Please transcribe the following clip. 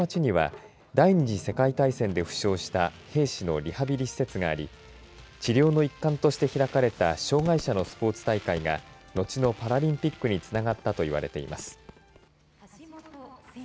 この街には第２次世界大戦で負傷した兵士のリハビリ施設があり治療の一環として開かれた障害者のスポーツ大会がのちのパラリンピックにつながったと言われています。